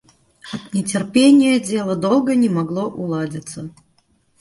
От нетерпения дело долго не могло уладиться.